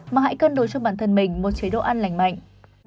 mà hãy cân đối cho bản thân mình một chế độ ăn lành mạnh